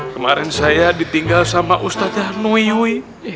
kemarin saya ditinggal sama ustadzah nuyuy